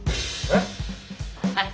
えっ？